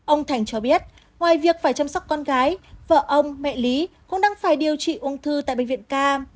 ông thành cho biết ngoài việc phải chăm sóc con gái vợ ông mẹ lý cũng đang phải điều trị ung thư tại bệnh viện ca